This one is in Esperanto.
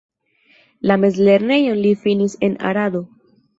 La mezlernejon li finis en Arado.